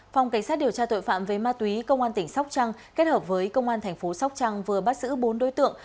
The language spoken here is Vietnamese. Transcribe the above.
phòng cảnh sát điều tra tội phạm về ma túy công an tỉnh sóc trăng kết hợp với công an thành phố sóc trăng vừa bắt giữ bốn đối tượng